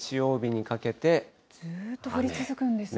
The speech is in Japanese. ずっと降り続くんですね。